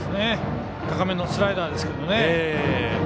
高めのスライダーですけどね。